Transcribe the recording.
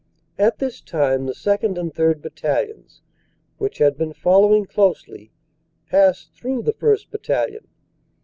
At this time the 2nd. and 3rd. Battalions, which had been follow ing closely, passed through the 1st. Battalion.